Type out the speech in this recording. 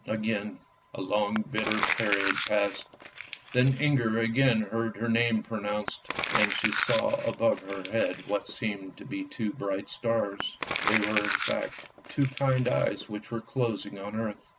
Again a long bitter period passed. Then Inger again heard her name pronounced, and saw above her head what seemed to be two bright stars; they were in fact two kind eyes which were closing on earth.